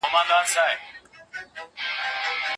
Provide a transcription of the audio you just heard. د پرمختګ دروازه یوازي با استعداده کسانو ته نه سي خلاصېدلای.